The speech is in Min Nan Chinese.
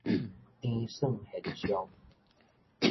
纏繏現象